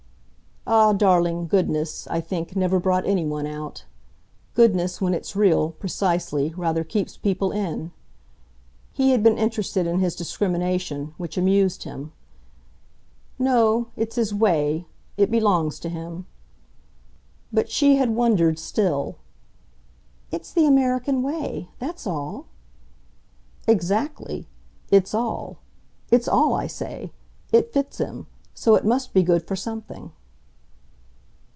"Ah, darling, goodness, I think, never brought anyone out. Goodness, when it's real, precisely, rather keeps people in." He had been interested in his discrimination, which amused him. "No, it's his WAY. It belongs to him." But she had wondered still. "It's the American way. That's all." "Exactly it's all. It's all, I say! It fits him so it must be good for something."